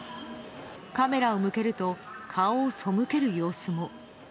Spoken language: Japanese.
カメラを向けると顔を背ける様子も。